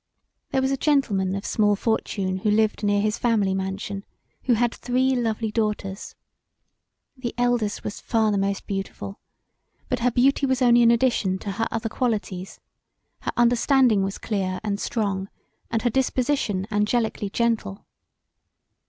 There was a gentleman of small fortune who lived near his family mansion who had three lovely daughters. The eldest was far the most beautiful, but her beauty was only an addition to her other qualities her understanding was clear & strong and her disposition angelically gentle.